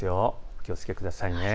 お気をつけください。